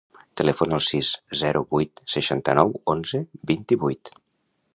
Telefona al sis, zero, vuit, seixanta-nou, onze, vint-i-vuit.